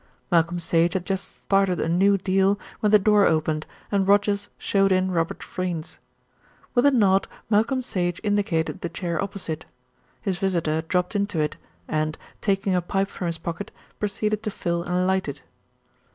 Malcolm Sage had just started a new deal when the door opened, and Rogers showed in Robert Freynes. With a nod, Malcolm Sage indicated the chair opposite. His visitor dropped into it and, taking a pipe from his pocket, proceeded to fill and light it.